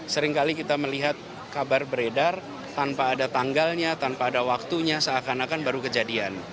seringkali kita melihat kabar beredar tanpa ada tanggalnya tanpa ada waktunya seakan akan baru kejadian